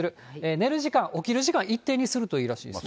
寝る時間、起きる時間、一定にするといいらしいですね。